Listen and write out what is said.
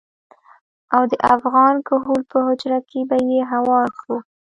او د افغان کهول په حجره کې به يې هوار کړو.